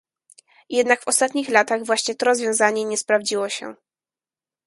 Jednak w ostatnich latach właśnie to rozwiązanie nie sprawdziło się